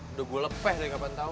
udah gue lepeh dari kapan tahu